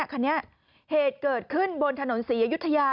คันนี้เหตุเกิดขึ้นบนถนนศรีอยุธยา